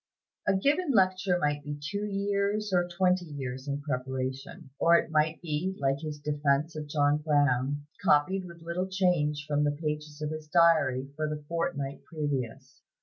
A given lecture might be two years, or twenty years in preparation; or it might be, like his defense of John Brown, copied with little change from the pages of his diary for the fortnight previous.